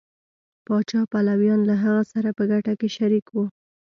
پاچا پلویان له هغه سره په ګټه کې شریک وو.